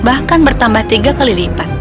bahkan bertambah tiga kali lipat